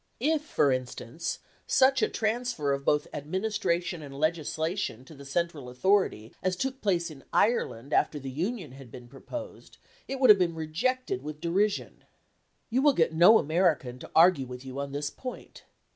If, for instance, such a transfer of both administration and legislation to the central authority as took place in Ireland after the Union had been proposed, it would have been rejected with derision. You will get no American to argue with you on this point.